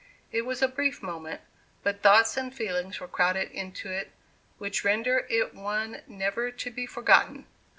It was a brief moment, but thoughts and feelings were crowded into it, which render it one never to be forgotten.